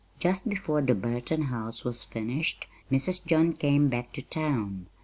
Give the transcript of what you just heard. Just before the Burton house was finished Mrs. John came back to town.